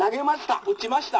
「打ちました」。